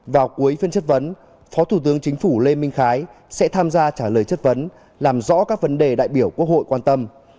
vào cuối phiên chất vấn phó thủ tướng chính phủ lê minh khái sẽ tham gia trả lời chất vấn làm rõ các vấn đề đại biểu quốc hội quan tâm